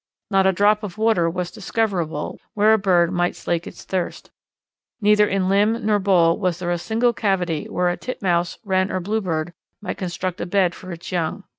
Not a drop of water was discoverable, where a bird might slake its thirst. Neither in limb nor bole was there a single cavity where a Titmouse, Wren, or Bluebird might construct a bed for its young.